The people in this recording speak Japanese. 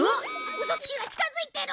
ウソつきが近づいてる！